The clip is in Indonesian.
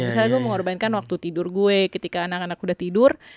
misalnya gue mengorbankan waktu tidur gue ketika anak anak udah tidur